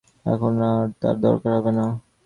এখন আর তার দরকার হবে না।